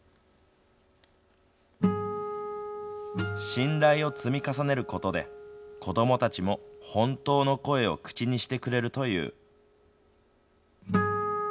信頼を積み重ねることで子どもたちも本当の声を口にしてくれるという。